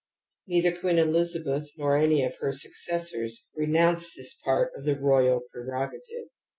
Neither Queen Elizabeth nor any of her suc cessors renounced this part of the royal preroga tive.